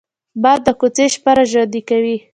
باد د کوڅې شپه را ژوندي کوي